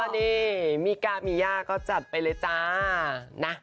นี่มิก้ามีย่าก็จัดไปเลยจ้านะ